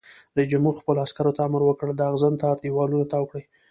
رئیس جمهور خپلو عسکرو ته امر وکړ؛ د اغزن تار دیوالونه تاو کړئ!